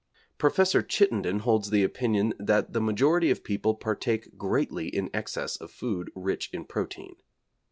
Prof. Chittenden holds the opinion that the majority of people partake greatly in excess of food rich in protein.